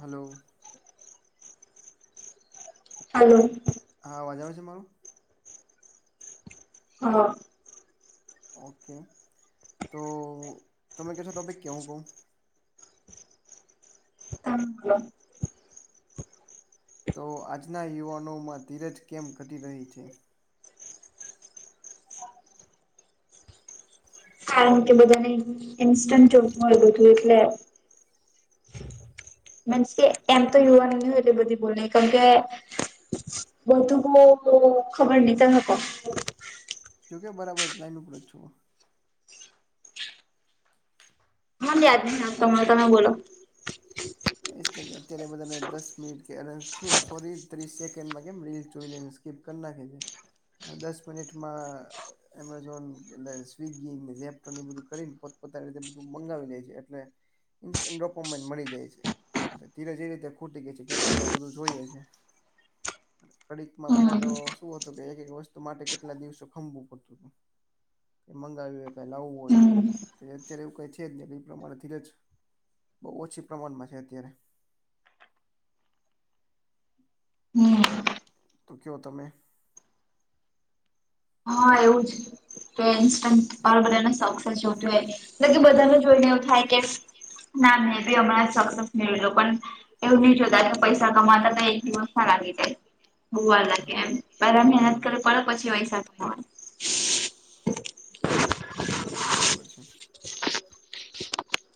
Hello hello હા અવાજ આવે છે મારો હા. ઓકે તો તમે કહેશો ટોપિક કે હું કહું. [unintelligible] તો આજના યુવાનોમાં ધીરજ કેમ ઘટી રહી છે. કારણ કે બધાને ઇન્સ્ટન્ટ જોબ મળ્યું હતું એટલે. મે એમ તો યુવા નહ હોય એટલી બધી બોલ કેમકે બધુકો ખબર ન તમે હપ જો કે બરાબર લાઈન ઉપર જ છુઓ હ આદ નાતા તમે બોલો એ અત્યારે બધાને દસ મિનિટ કે અને સોરી ત્રીસ સેકન્ડમાં કેીલ ચ સ્કીપ કરી નાખે છે દસ મિનિટમાં એમેઝોન એટલે સ્વિગી એપને એ બધું કરીને પોતપોતા રીતે બધું મંગાવી લે છે એટલે. [unintelligible] ફોર્મેટ મળી ગઈ છે. એટલે ધીરે ધીરે તે ખૂટી ગઈ છે ગડીકમાં બધું જોઈએ છે. કડીકમાં હમ પેલા તો શું હતું કે એક એક વસ્તુ માટે કેટલા દિવસો ખંભવું પડતું હતું. કે મંગાવ્યું હોય કઈ લાવવું હમ હોય તો એ અત્યારે એવું કઈ છે જ ને કઈ પ્રમાણે ધીરજ બહુ ઓછી પ્રમાણમાં છે અત્યારે. હમ તો કેવો તમે. હા એવું છે. તો ઇન્સ્ટ બધાને સક્સેસ જોતું હોય એલે કે બધાને જોઈને એવું થાય કે ના મેં બી હમણાં સક્સેસ મેળવો પણ એવું નહી જોતા કે પૈસા કમાતા તો એક દિવસ ના લાગી જાય. વાર લાગે એમ પેલા મહેનત હમ કરે પડ પછી પૈસા [unintelligible] બરાબર છે.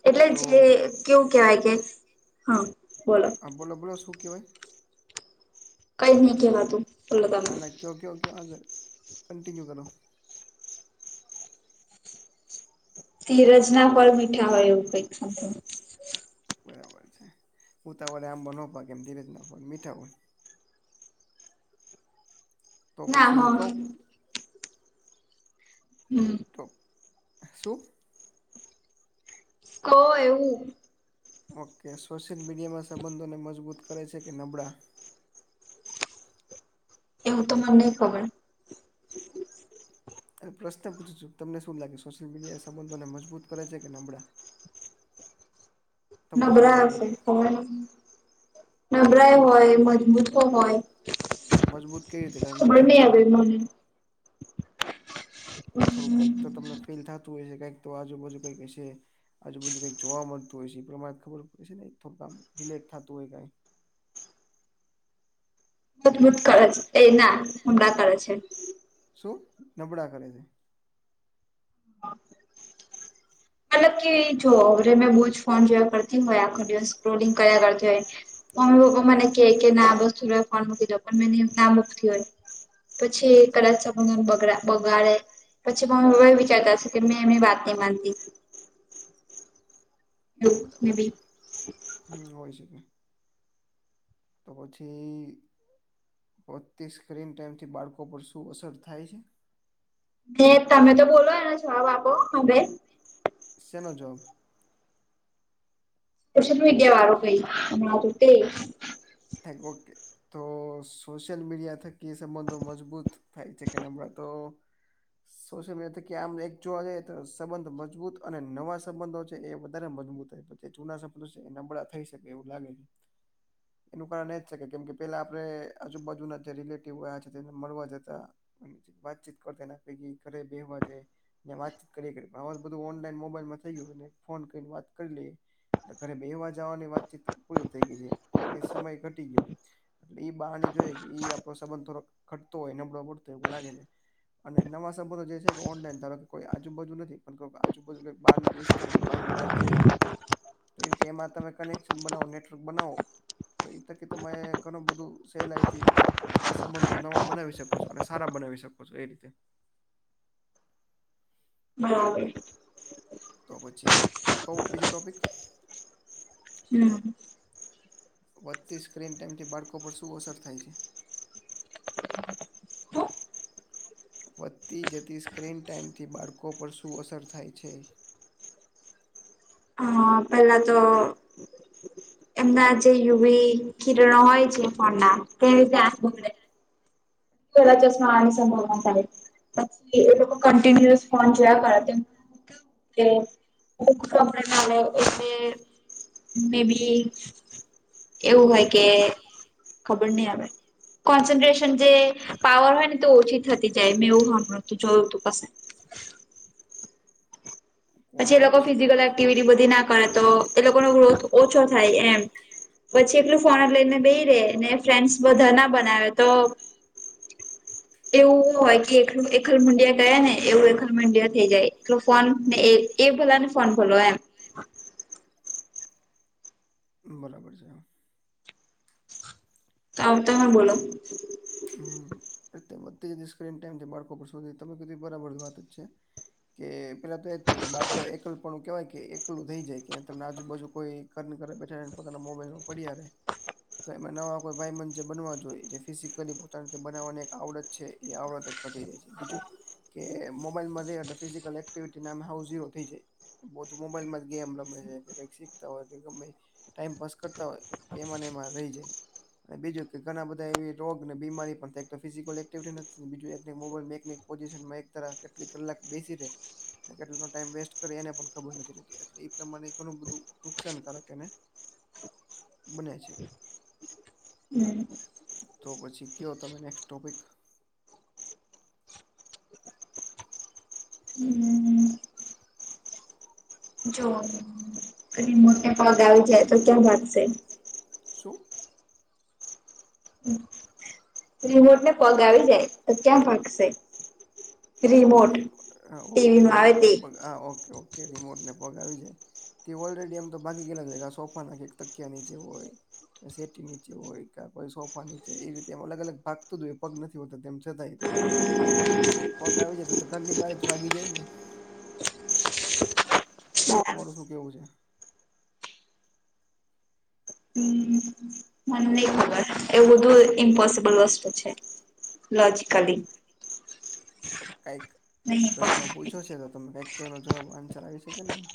એટલે તો જે કેવું કેહેવાય કે હા બોલો. હ બલો બોલો શું કહેવાય. કઈ જ ની કહેવાતું. ના ના ક્યો ક્યો ક્યો આગળ કંન્ટિન્યુ કરો. ધીરજ ના ફળ મીઠા હોય એવું કંઈક છે. બરાબર છે ઉુંતાવળે આબો ના પાકે ધીરેજ ના હોય મીઠા હોય. તો ના પછી [unintelligible] હા હમ્મ. તો હે શું. તો એવું ઓકે સોશિયલ મીડિયામાં સંબંધોને મજબૂત કરે છે કે નબળા. એવું તો મને ની ખબર. અને પ્રશ્ન પૂછું છું તમને શું લાગે સોશિયલ મીડિયા એ સંબંધોને મજબૂત કરે છે કે નબળા. તમને શું નબળા લાગે હશે ખબર નહીં. નબળઈ તમ હોય મજબૂતો હોય જ નહીં. તો મજબૂત કઈ રીતે કરે નબળા કઈ રીતે કરે. મને [unintelligible] થોડું કઈક તો તમને ફીલ થતું હોય છે કઈક તો આજુબાજુ કંઈક હસે. આજુબજુ કઈક જોવા મળતું હોય છે એ પ્રમાણે ખબર પડે છે ને થોડું આમ રિલેટ થતું હોય કઈ. મજબૂત કરે છે એ ના [unintelligible] કરે છે. શું નબળા કરે છે. કારણ કે જો રે મેં [unintelligible] ફોન જોયા કરતી હોય આખો દિવસ સ્ક્રોલિંગ કર્યા કરતી હોય મમ્મી પપ્પા મને કે કે ના બસ થો ફોન મૂકી દો પણ મે ના મૂકતી હોય. પછી કદાચ [unintelligible] બગડા બગાડે પછી મમ્મી પપ્પા એ વિ વિચારતા છે કે મે મે વાત ની માનતી. એવું મે બરાબર બી છે હમ્મ હોય શકે. તો પછી પોતે સ્ક્રીન ટાઈમથી બાળકો પર શું અસર થાય છે હે તમે તો બોલો એનો છવા બાપો હવે સનોો જોક પછ ત ગયા વારો કઈ હમણાં તોું તે [unintelligible] ઓકે. તો સોશિયલ મીડિયા થકી એ સંબંધો મજબૂત થાય છે કે ને હમણાં તો સોશિયલ મીડિયાકે આમ એક જોવા જઈએ તો સંબંધ મજબૂત અને નવા સંબંધો છે એ વધારે મજબૂત તે તો તે જૂના સપનું છે એ નબળા થઈ શકે એવું લાગે છે. એનું કારણ એજ છે કે કેમ કે પેલા આપડે આજુબાજુના જે રિલેટિવ આવયા છે તેને મળવા જતા. વાતચીત કરતાને પેકી ઘરે બેહવા જાય. વાતચીત કરી આ બધું ઓનલાઈન મોબાઈલમાં થઈ ગયું ફોન કરીને વાત કરી લઈએ ઘરે બે વાગેવાની વાતચીત પૂરી થઈ ગઈ છે એટલે એ સમય ઘટી ગયો એટલે એઈ બહારની જોઈ કે એ આપડો સંબંધ થોડો ખટતો હોય નબળો પડતો એવું લાગે છે અને નવા સંબંધો જે છે ઓનલાઈન ધારો કે કોઈ આજુબજુ નથી પણ આજુબજુ બહાર ન બાર ન રાજ્ય છે તો રીતે એમાં તમે કનેક્શન બનાવો નેટવર્ક બનાવો તો એ તકી ત ઘણ બધું સેલઈથી સંબંધો નવા બનાવી શકો છો અને સારા બનાવી શકો છો એ રીતે બરાબર તો પછી કઉ બીજો ટોપિક હમ વધતી સ્ક્રીન ટાઈમથી બાળકો પર શું અસર થાય છે વધતી જતી સ્ક્રીન ટાઈમથી બાળકો પર શું અસર થાય છે અ પેલા તો એમના જે યુવી ક્ષીરણ હોય છે ફડા કેમતે આે ઘરા ચસ્માણી સંભોવ આવે પછ એ લોકો કન્ટિન્યુઅસ ફ જોયા કર તે મુખ કપડ લને એ મે બી એવું હોય કે ખબર નહી આવે કોન્સન્ટ્રેશન જે પાવર હોય ને તો ઓછી થતી જાય મેં એવું તું જોયું તું પસંદ પછી એ લોકો કોન્સન્ટ્રેશન ફિઝિકલ ઘટી છે. એક્ટિવિટી બધી નાખ ે તો એ લોકો ન ગ્રોથ ઓછો થાય એમ પછી એકલું ફોનટ લઈને બે રેને ફ્રેન્ડ્સ બધા ના બનાવે તો એવું હો કે એક એકલ મુંડિયા ગયા ને એવું મડ થઈ જાય એ ફોન ને એ ભ ને ફોન ભલો એમ બરાબર છે હા તો આવતા બોલો હમ એ બધી જ સ્ક્રીન ટાઈમ બાળકો પર શધ તમે કીધું બરાબર વાત જ છે કે પેલા તો એ જ થાય કે બાળકો એકલપણું કેહેવાય કે એકલું થઈ જાય કે તમને આજુબાજુ કોઈ ઘર ઘરે બેઠાને પોતાના મોબાઈલમાં પડીે તો એમાં નવા કોઈ ભયમંચ બનવા જોઈએ જે ફિસિક પોતા બનાવવાની એક આવડત છે એ આવડત ઘટી જાય છે બીજું કે મોબાઈલમાંથી ફિઝિકલ એક્ટિવિટી નામે હાવ ઝીરો થઈ જાય બહ તો મોબાઈલમાં જ ગેમ રમે છે કે કઈક શીખતા હોય તો ગમે ટાઈમ પાસ કરતા હોય તો એમાં એમાં રહી જાય અને બીજું કે ઘણા બધા એવી રોગ બીમારી પણ થાય તો ફિઝિકલ એક્ટિવ નથી બીજું એક મોબાઈલ એક પોઝિશનમાં એક તર કેટલી કલાક બેસી રહે અને કેટલાનો ટાઈમ વેસ્ટ કરે એને પણ ખબર નથી રહેતી એટલે એ પ્રમાણે ઘણું બધું નુકસાનકારક એને બને છે હમ તો પછી કહો તમે નેક્સ્ટ ટોપિક હમ જો ક મોટે પદ આવી જાય તો ત્યાં ભાગશે શું રિમોટ ને પગ આવી જાય તો ક્યાં ફાગશે રિમોટ રી હા ઓકે ટીવી ન આવે રિમોટને તે પગ હા ઓકે ઓકે રિમોટને પગાવી છેાય તે ઓલરેડી આમ તો બાકી ગે જ સોપાના કે એક ટકકી ની જેે હોય સેટી નીચે હોય ક કોઈ સોફા નીચે એ રીતે એમ અલગ અલગ ભાગતું હોય એ પગ નથી હોતા તેમ છતાય [inaudible] અને પગ આવી જતો તો ઘરની બારી જ ભાગી જાય ને બરાબર તમારું શું કેવું છે હમ મને નઇ ખબર એવું બધું ઇમ્પોસિબલ વસ્તુ છે લોજકલી કઈક નહી પ્રશ્ન પણ પૂછો છે તો તમે કઈક તોનો જવાબ આન્સર આવી શકે નેમ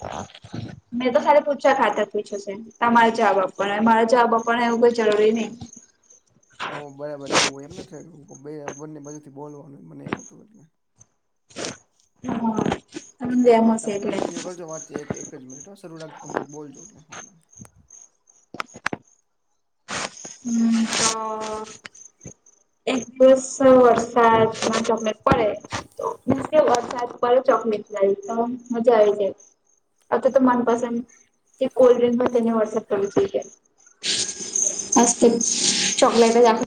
મેં તો સ પૂછવા ખાતર પૂછ્યું છે તમારે જવાબ આપવાનો મારે જવાબ આપવાનો એવું કઈ જરૂરી નહી ઓ બરાબર એવું એમ નથી બને બાજુ થી બોલવાનું મને એમ હતું હોટ હા એક જ સમજ્યા એમ મિનીત હશે તમે એટલે કન્ટિન્યુ કરજો વાત એક એક શરૂ રાખજો તમે કંઇક બોલજો હમ તો એક દિવસ વરસાદ તમને પડે વરસાદ પ ચોકલેટ લ તો મજા આવે જાય અ તો તો મનપસંદ તે કોલ્ડ ડ્રિંક પણ તેની વટ્સઅપ કર છે ચકલેટ જ આપ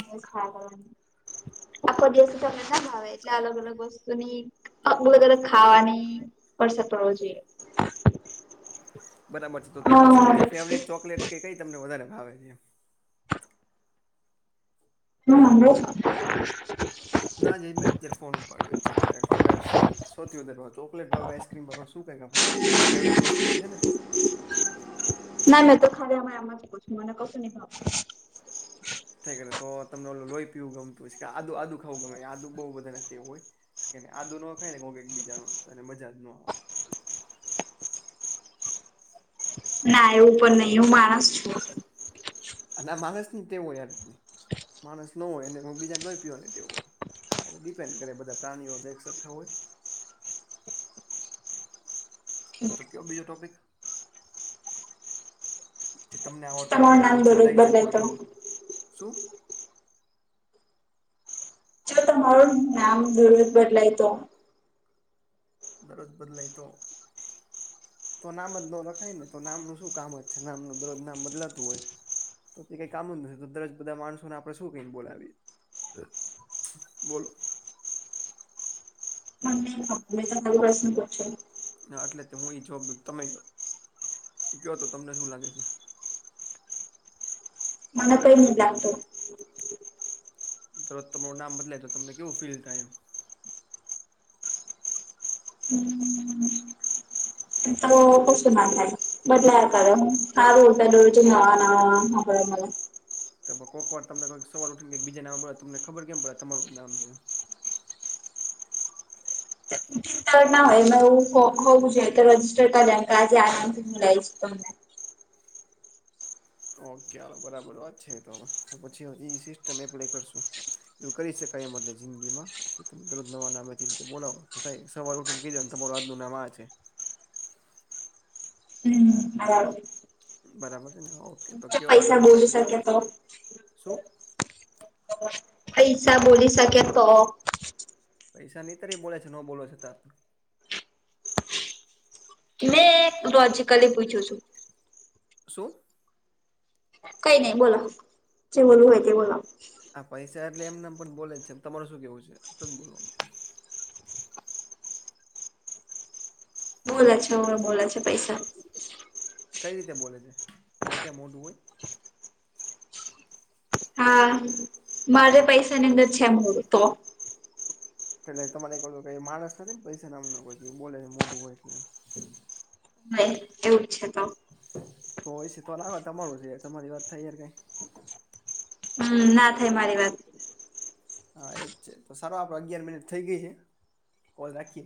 આખો દિવસ એક ના ભાવે એટલે અલગ અલગ વસ્તુ ની બધ ત ખાવાની પડસર પડવો જોઈએ બરાબર છે તો તમને સૌથી ના ફેવરટ ચોકલેટ કે કઈ તમને વધારે ભાવે છે હો ના જ મેં અત્યારે ફોન ઉપાડ્યો છે એટલે તમને શું સૌથી વધારે ચોકલેટ ભ આઈસ્ક્રીમ ભ શું કઈ ક કઈ ફેવરિટ વસ્તુ હોય છેને ના મેં તો ખાલી આ એમમાં જ કું છું મને કશ ન ભાવ ઠેક તો તમને લોઈ પીવવું ગમતું હસે કા આદુ ખાઉં ગમે આદુ બઉ બધા ને ટેવ હોય આદુ ના આવે ને એને બીજા નો તો એને મજા નો આવે. ના એવું પણ નહી હું માણસ છું અને માણસ ની જ ટેવ હોય યારત માણસ ન હોય બીજાને લોય પીવા ને ટેવ હોય આ ડિપેન્ડ કરે બધા પ્રાણીઓ જ એક સરખા હોય તો કયો બીજો ટોપિક જે તમને આવડતા હો તમારું તમે નામ આન્સર દરરોજ દઈ બદલાય શકો તો એવો શું જો તમારું નામ દરજ બદલાય તો દરરોજ બદલાઈ તો તો નામ જ ન રખાય ને તો નામનું શું કામ જ છે નામનું દરરોજ નામ બદલાતું હોય તો કઈ કામ નથી તો દર બધા માણસોને આપણે શું કઈ બોલાવીએ? બોલો હ તમે તો પ્રશન પો હ એટલે હું ઈ જવા તમે કયો તો તમને શું લાગે છે મને કઈ નહી લાગતું ત તમારું નામ બદલાય તો તમને કેવું ફીલ થાય એમ? હમ હ તો કશું માંધ બદલે હતા ક રોરટ ડોર ચ નવા નાવા આપડે તો. તો કોક વાર તમનેઈ સવાલ ઉઠ ને કે બીજા ના પડે તમને ખબર કેમ પડે તમારું નામ છે. ના હોય હોવું જોઈએ તો રજિસ્ટર કરેમ કે આજે આનંદથી હું લઈશ તમને ઓકે ચાલો બરાબર વાત છે તો હવે તો પછી હજી એ સિસ્ટમ એપ્લાય કરશું. એવું કરી શકાય એમ એટલે જિંદગી માં કે તમે દરરોજ નવા નામે એ રીતે બોલાવ તો થાય સવાર ઉઠીને કઈ જ તમાર આજનું નામ આ છે હમ હા બરાબર છે ને ઓકે તો કયો પૈસા આગળનો બોલી ટોપિક શકે તો શું? પૈસા બોલી સકે તો? પૈસાની તર બોલે છે નો બોલો છ ત આપ. લોજીકલી પૂછું છું શું. કઈ નહી બોલા જે બોલવું આ હોય તે પૈ બોલા. આ પૈસા એટલે એમને પણ બોલે જ છેમ તમાર શું કેવું છે બોલો. બોલા છે હોવે બોલા છે પૈસા. કઈ રીતે બોલે છે એને ક્યાં મોટું હોય? હા મારે પૈસાની અંદર છેમું તો એટલે તમારે કઈ માણસ નથી ને પૈસા નામ નઈ બોલે મોટું હોય એટલે. એવું જ છે તો. તોય છે થોડા વા તમારું છે તમારી વાત થઈયને કઈ. હમ ના થાય મારી વાત. હા એજ છે તો સારો આપડે અગિયાર મિનિટ થઈ ગઈ છે કોલ રાખીએ.